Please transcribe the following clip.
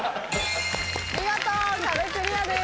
見事壁クリアです。